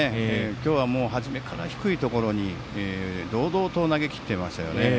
今日はもう初めから低いところに堂々と投げきってましたよね。